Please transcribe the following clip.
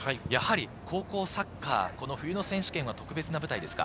高校サッカー、冬の選手権は特別な舞台ですか？